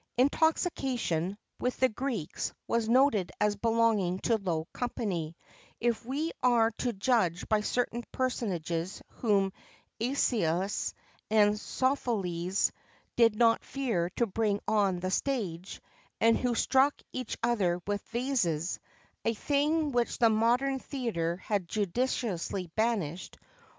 [XXVII 7] Intoxication, with the Greeks, was noted as belonging to low company, if we are to judge by certain personages whom Æschylus and Sophocles did not fear to bring on the stage, and who struck each other with vases a thing which the modern theatre has judiciously banished.